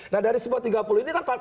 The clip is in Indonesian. nah dari sebuah tiga puluh ini kan